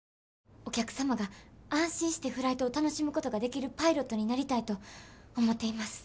お客様が安心してフライトを楽しむことができるパイロットになりたいと思っています。